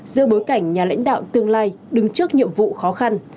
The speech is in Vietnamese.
giữa bối cảnh nhà lãnh đạo tương lai đứng trước nhiệm vụ khó khăn